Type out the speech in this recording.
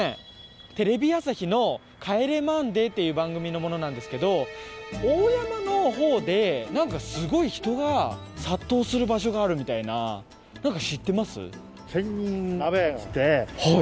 テレビ朝日の『帰れマンデー』っていう番組の者なんですけど大山の方でなんかすごい人が殺到する場所があるみたいななんか知ってます？